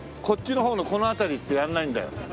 こっちの方のこの辺りってやらないんだよ。